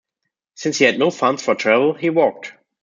Since he had no funds for travel, he walked.